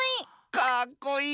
かっこいい！